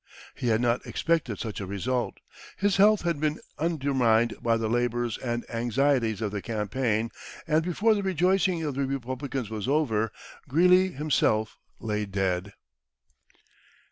He had not expected such a result, his health had been undermined by the labors and anxieties of the campaign, and before the rejoicing of the Republicans was over, Greeley himself lay dead.